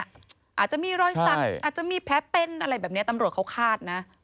อาจจะมีรอยสักอาจจะมีแผลเป็นอะไรแบบนี้ตำรวจเขาคาดนะ